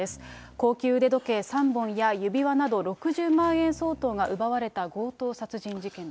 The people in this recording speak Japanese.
高級腕時計３本や指輪など、６０万円相当が奪われた強盗殺人事件